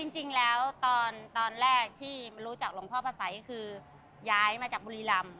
จริงแล้วตอนแรกที่รู้จักหลวงพ่อพระสัยคือย้ายมาจากบุรีรำ